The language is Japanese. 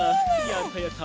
やったやった。